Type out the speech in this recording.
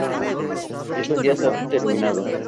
Esos días han terminado".